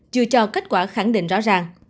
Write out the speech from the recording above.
chưa cho kết quả khẳng định rõ ràng